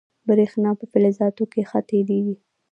برېښنا په فلزاتو کې ښه تېرېږي.